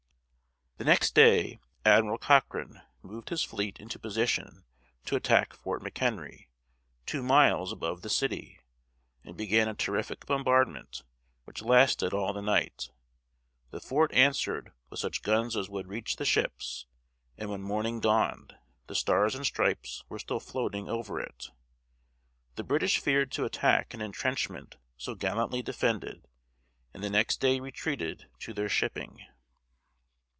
The next day, Admiral Cochrane moved his fleet into position to attack Fort McHenry, two miles above the city, and began a terrific bombardment, which lasted all the night. The fort answered with such guns as would reach the ships, and when morning dawned, the Stars and Stripes were still floating over it. The British feared to attack an intrenchment so gallantly defended, and the next day retreated to their shipping.